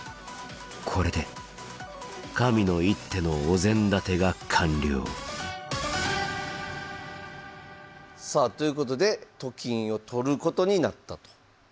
これで神の一手のお膳立てが完了さあということでと金を取ることになったと。